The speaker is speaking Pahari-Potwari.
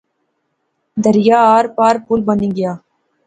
دریا آر پار پل بنی گیا